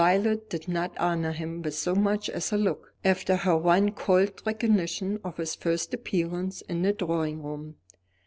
Violet did not honour him with so much as a look, after her one cold recognition of his first appearance in the drawing room.